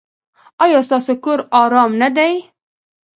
ایا ستاسو کور ارام نه دی؟